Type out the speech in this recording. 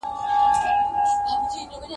چي یې ومانه خطر وېره ورکیږي ..